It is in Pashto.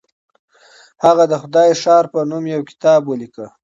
هغه د خدای ښار په نوم يو کتاب وليکه.